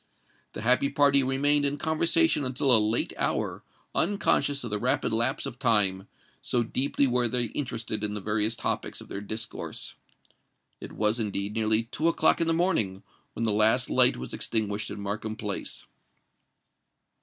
The happy party remained in conversation until a late hour—unconscious of the rapid lapse of time, so deeply were they interested in the various topics of their discourse. It was, indeed, nearly two o'clock in the morning when the last light was extinguished in Markham Place.